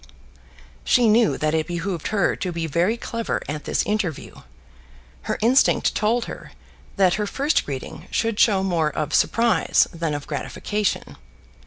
She knew that it behoved her to be very clever at this interview. Her instinct told her that her first greeting should show more of surprise than of gratification.